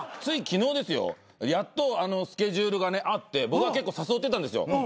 つい昨日ですよやっとスケジュールが合って僕は結構誘ってたんですよ。